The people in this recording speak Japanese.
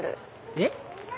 えっ？